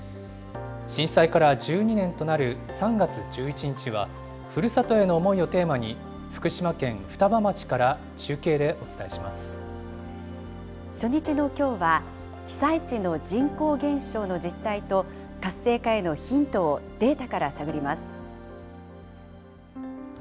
震災から１２年となる３月１１日は、ふるさとへの思いをテーマに、福島県双葉町から中継でお伝えしま初日のきょうは、被災地の人口減少の実態と、活性化へのヒントをデータから探ります。